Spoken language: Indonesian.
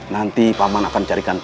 nanti paman akan carikan